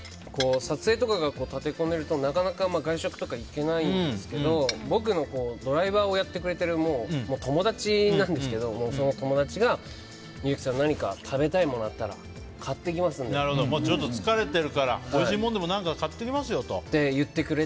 撮影とかが立て込んでいるとなかなか外食とか行けないんですけど僕のドライバーをやってくれてるもう友達なんですけどその友達が裕貴さん何か食べたいものがあったら疲れてるからおいしいものでも買ってきますよと。